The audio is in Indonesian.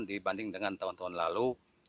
dibanding dengan tahun tahun lalu